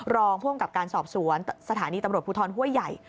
รองภูมิกับการสอบสวนสถานีตำรวจภูทรห้วยใหญ่